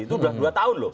itu sudah dua tahun loh